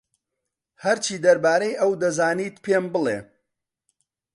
هەرچی دەربارەی ئەو دەزانیت پێم بڵێ.